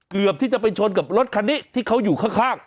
เกือบที่จะไปชนกับรถคันนี้ที่เขาอยู่ข้าง